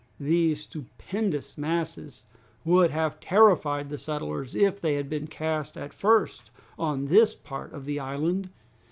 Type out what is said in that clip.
These stupendous masses would have terrified the settlers if they had been cast at first on this part of the island!